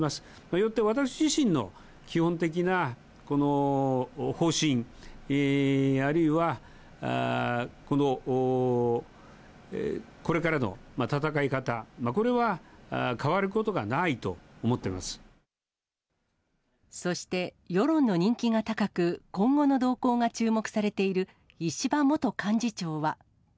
よって、私自身の基本的な方針、あるいはこれからの戦い方、これは変わることがないと思ってそして、世論の人気が高く、今後の動向が注目されている石破元幹事長は。